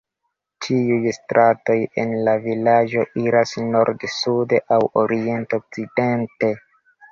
Ĉiuj stratoj en la vilaĝo iras nord-sude aŭ orient-okcidente.